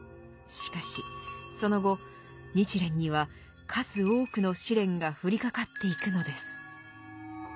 しかしその後日蓮には数多くの試練が降りかかっていくのです。